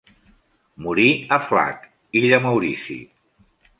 Morí a Flacq, Illa Maurici.